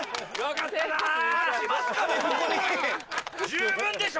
十分でしょ！